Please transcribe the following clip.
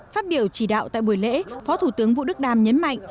phát biểu chỉ đạo tại buổi lễ phó thủ tướng vũ đức đam nhấn mạnh